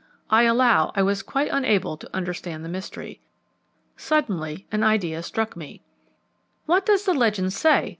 I allow I was quite unable to understand the mystery. Suddenly an idea struck me. "What does the legend say?"